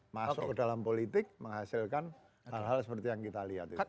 masuk ke dalam politik menghasilkan hal hal seperti yang kita lihat itu